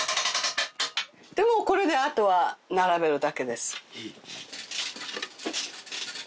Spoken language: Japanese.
でもうこれであとは並べるだけです。